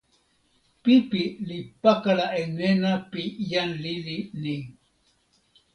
pipi li pakala e nena pi jan lili ni.